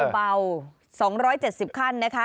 เบา๒๗๐ขั้นนะคะ